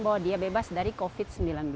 bahwa dia bebas dari covid sembilan belas